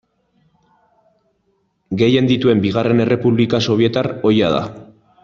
Gehien dituen bigarren errepublika sobietar ohia da.